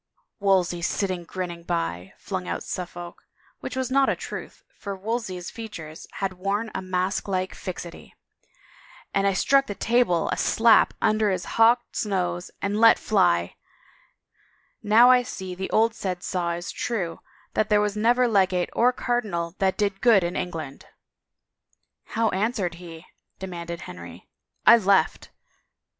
" Wolsey sitting grinning by," flung out Suffolk, which was not a truth, for Wolsey's features had worn a mask like fixity, "and I struck the table a slap under his hawk's nose and let fly, ' Now I see the old said saw is true, that there was never legate nor cardinal that did good in England !'"" How answered he? " demanded Henry. " I left —